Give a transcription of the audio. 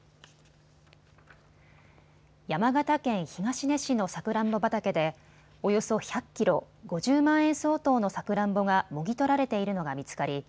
山形県東根市のさくらんぼ畑でおよそ１００キロ、５０万円相当のさくらんぼがもぎ取られているのが見つかり